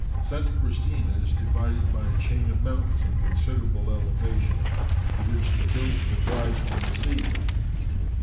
Santa Cristina is divided by a chain of mountains of considerable elevation, to which the hills that rise from the sea lead.